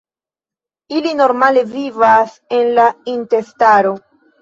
Ili normale vivas en la intestaro.